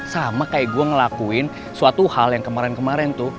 sama kayak gue ngelakuin suatu hal yang kemarin kemarin tuh